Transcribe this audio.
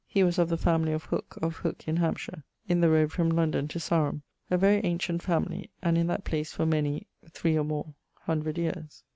He was of the family of Hooke of Hooke in Hampshire, in the road from London to Saram, a very ancient family and in that place for many (3 or more) hundred yeares.